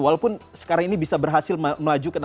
walaupun sekarang ini bisa berhasil memanfaatkan